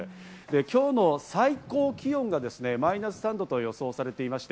今日の最高気温がマイナス３度と予想されていまして、